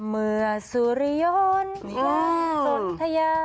เมื่อสูริยนต์ก็สนทัย